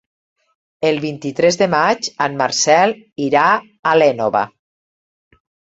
El vint-i-tres de maig en Marcel irà a l'Énova.